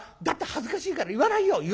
『だって恥ずかしいから言わないよ』。